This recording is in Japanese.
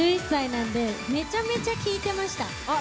１１歳なんで、めちゃめちゃ聞いてました。